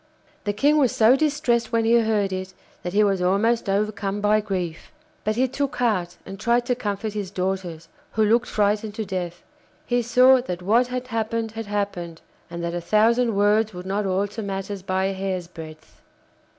The King was so distressed when he heard it that he was almost overcome by grief. But he took heart and tried to comfort his daughters, who looked frightened to death. He saw that what had happened had happened, and that a thousand words would not alter matters by a hair's breadth.